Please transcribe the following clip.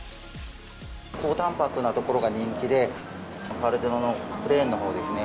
高たんぱくなところが人気で、パルテノのプレーンのほうですね。